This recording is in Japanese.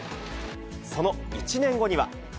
その１年後には。